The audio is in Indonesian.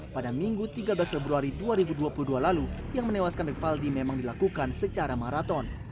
pada minggu tiga belas februari dua ribu dua puluh dua lalu yang menewaskan rivaldi memang dilakukan secara maraton